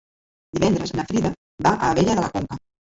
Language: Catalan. Divendres na Frida va a Abella de la Conca.